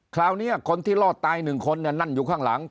คราวนี้คนที่รอดตาย๑คนนั่งอยู่ข้างหลัง